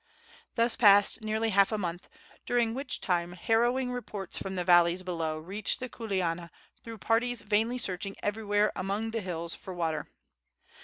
Thus passed nearly half a month, during which time harrowing reports from the valleys below reached the kuleana through parties vainly searching everywhere among the hills for water.